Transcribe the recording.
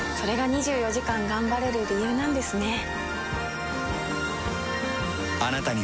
れが２４時間頑張れる理由なんですね。